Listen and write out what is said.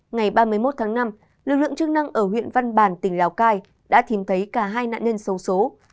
ngày ba mươi một tháng năm lực lượng chức năng ở huyện văn bản tỉnh lào cai đã tìm thấy cả hai nạn nhân sâu số